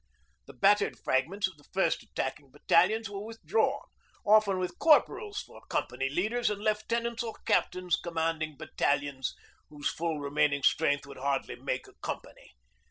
The battered fragments of the first attacking battalions were withdrawn, often with corporals for company leaders, and lieutenants or captains commanding battalions whose full remaining strength would hardly make a company.